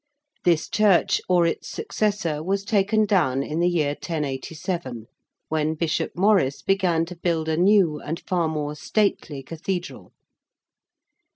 This church, or its successor, was taken down in the year 1087 when Bishop Maurice began to build a new and far more stately Cathedral.